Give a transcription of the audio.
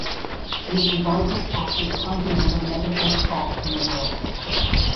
It is the largest active continental megathrust fault in the world.